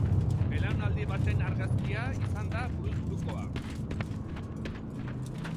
Belaunaldi baten argazkia izan da buruz burukoa.